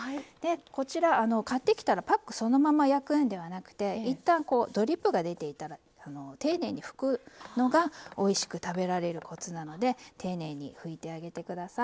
こちら買ってきたらパックそのまま焼くんではなくて一旦ドリップが出ていたら丁寧に拭くのがおいしく食べられるコツなので丁寧に拭いてあげて下さい。